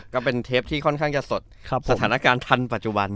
ก็เป็นเทปที่ค่อนข้างจะสดสถานการณ์ทันปัจจุบัน